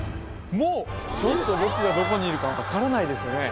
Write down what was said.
もうちょっと僕がどこにいるか分からないですよね